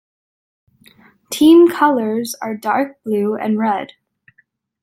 Team colours are dark blue and red.